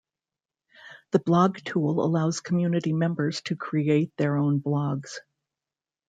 The blog tool allows community members to create their own blogs.